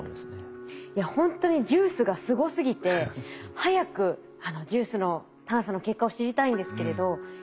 いや本当にＪＵＩＣＥがすごすぎて早くＪＵＩＣＥの探査の結果を知りたいんですけれどお。